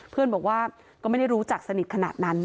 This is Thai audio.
เพื่อนบอกว่าก็ไม่ได้รู้จักสนิทขนาดนั้น